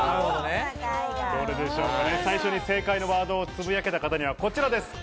最初に正解のワードをつぶやけた方にはこちらです。